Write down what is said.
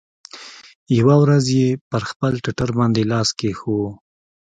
يوه ورځ يې پر خپل ټټر باندې لاس کښېښوو.